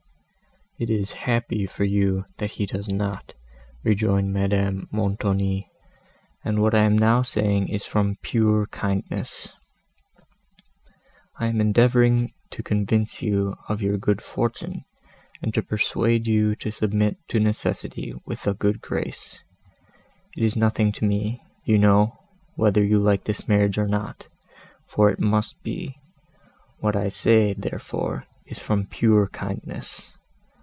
"It is happy for you, that he does not," rejoined Madame Montoni; "and what I am now saying is from pure kindness. I am endeavouring to convince you of your good fortune, and to persuade you to submit to necessity with a good grace. It is nothing to me, you know, whether you like this marriage or not, for it must be; what I say, therefore, is from pure kindness.